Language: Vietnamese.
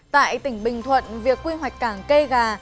tại tỉnh bình thuận việc quy hoạch cảng cây gà